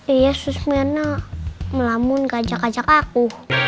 iya susmina ngelamun gak ajak ajak aku